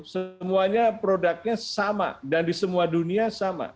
semuanya produknya sama dan di semua dunia sama